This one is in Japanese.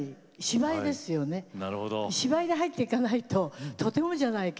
芝居で入っていかないととてもじゃないけど。